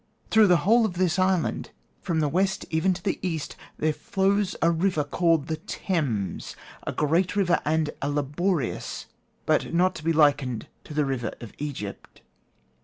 Through the whole of this island, from the west even to the east, there flows a river called Thames: a great river and a laborious, but not to be likened to the River of Egypt.